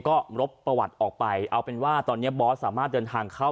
ก็รบประวัติออกไปเอาเป็นว่าตอนนี้บอสสามารถเดินทางเข้า